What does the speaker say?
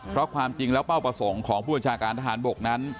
เพราะความจริงแล้วเป้าประสงค์ของผู้บัญชาการทหารบกนั้น